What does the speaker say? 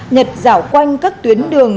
nhật dảo quanh các tuyến đường